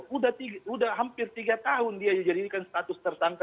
sudah hampir tiga tahun dia dijadikan status tersangka